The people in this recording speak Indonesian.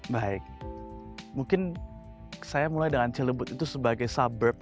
baik mungkin saya mulai dengan cilebut itu sebagai suburb